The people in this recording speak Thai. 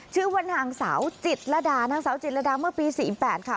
ชื่อว่านางสาวจิตรดานางสาวจิตรดาเมื่อปี๔๘ค่ะ